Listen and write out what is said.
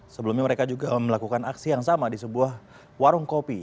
sebelumnya mereka juga melakukan aksi yang sama di sebuah warung kopi